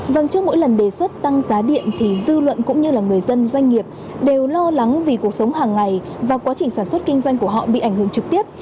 vâng trước mỗi lần đề xuất tăng giá điện thì dư luận cũng như là người dân doanh nghiệp đều lo lắng vì cuộc sống hàng ngày và quá trình sản xuất kinh doanh của họ bị ảnh hưởng trực tiếp